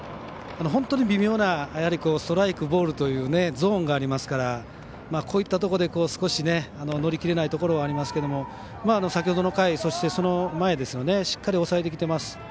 本当に微妙なストライク、ボールというゾーンがありますからこういったところで少し乗り切れないところはありますけど先ほどの回、そして、その前しっかり抑えてきています。